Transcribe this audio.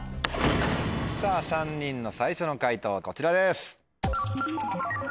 さぁ３人の最初の解答はこちらです。